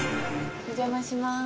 お邪魔します。